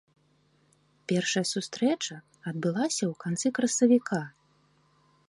Першая сустрэча адбылася ў канцы красавіка.